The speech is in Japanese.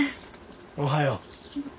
おはよう。